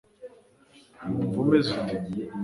wumva umeze ute